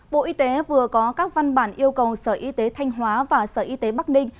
bộ y tế vừa có các văn bản yêu cầu sở y tế thanh hóa và sở y tế bắc ninh